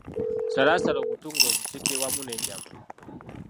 Salaasala obutungulu obusiikire wamu n'ennyama.